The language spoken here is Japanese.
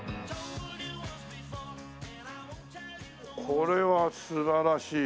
これは素晴らしい。